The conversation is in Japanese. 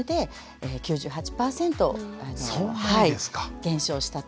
減少したと。